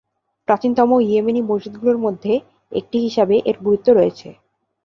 প্রাচীনতম ইয়েমেনি মসজিদগুলির মধ্যে একটি হিসাবে এর গুরুত্ব রয়েছে।